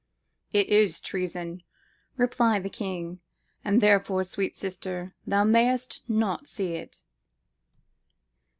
""It is treason," replied the king, "and therefore, sweet sister, thou mayest not see it."